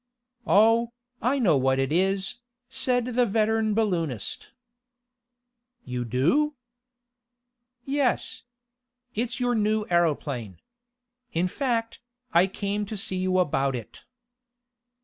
"Oh, I know what it is," said the veteran balloonist. "You do?" "Yes. It's your new aeroplane. In fact, I came to see you about it."